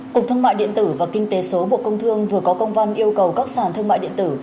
cục thương mại điện tử và kinh tế số bộ công thương vừa có công văn yêu cầu các sản thương mại điện tử